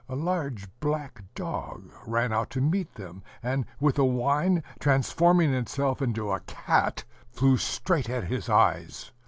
A large black dog ran out to meet them, and with a whine, transforming itself into a cat, flew straight at his eyes.